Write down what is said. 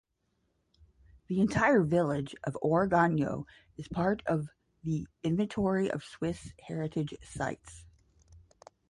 The entire village of Arogno is part of the Inventory of Swiss Heritage Sites.